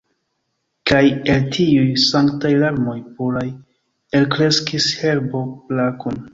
Kaj el tiuj sanktaj larmoj puraj elkreskis herbo plakun.